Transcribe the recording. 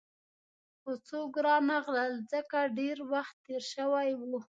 خو څوک رانغلل، ځکه ډېر وخت تېر شوی وو.